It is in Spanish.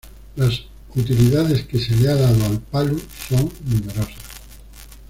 Las utilidades que se le ha dado al palu son numerosas.